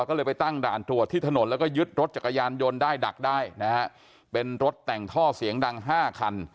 ก็เลยไปตั้งด่านตรวจที่ถนนแล้วก็ยึดรถจักรยานยนต์ได้ดักได้นะฮะเป็นรถแต่งท่อเสียงดังห้าคัน